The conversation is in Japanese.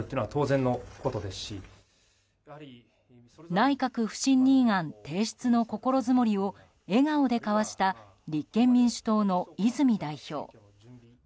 内閣不信任案提出の心づもりを笑顔でかわした立憲民主党の泉代表。